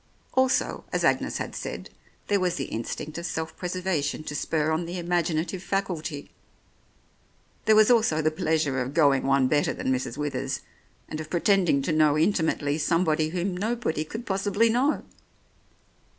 Also, as Agnes had said, there was the instinct of self preservation to spur on the imaginative faculty. There was also the plea sure of going one better than Mrs. Withers and of pretending to know intimately somebody whom nobody could possibly know.